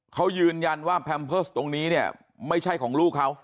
เขายืนยันว่าแพมเพิร์สตรงนี้เนี่ยไม่ใช่ของลูกเขา